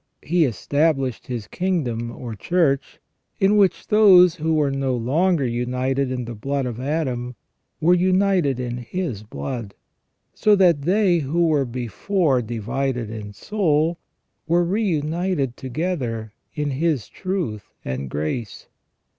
He established His kingdom or Church, in which those who were no longer united in the blood of Adam were united in His blood, so that they who were before divided in soul were re united together in His truth and grace.